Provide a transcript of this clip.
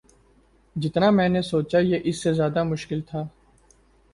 جتنا میں نے سوچا یہ اس سے زیادہ مشکل تھا